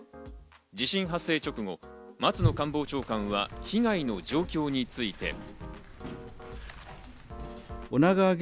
地震発生直後、松野官房長官は被害の状況について。